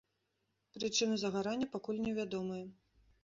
Прычыны загарання пакуль не вядомая.